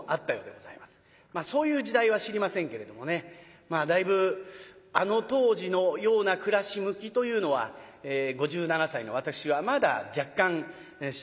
そういう時代は知りませんけれどもねだいぶあの当時のような暮らし向きというのは５７歳の私はまだ若干知ってる人間でございます。